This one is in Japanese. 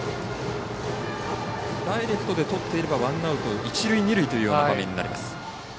ダイレクトでとっていればワンアウト、一塁、二塁というような形になります。